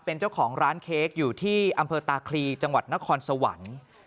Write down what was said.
เป็นเจ้าของร้านเค้กอยู่ที่อำเภอตาคลีจังหวัดนครสวรรค์